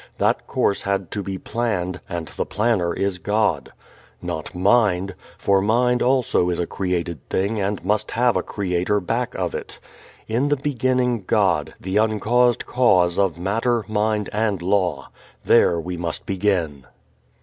That course had to be planned, and the Planner is God. Not mind, for mind also is a created thing and must have a Creator back of it. In the beginning God, the uncaused Cause of matter, mind and law. There we must begin.